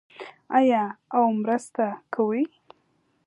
آیا او مرسته کوي؟